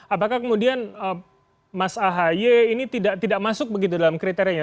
apakah kemudian mas ahaye ini tidak masuk begitu dalam kriterianya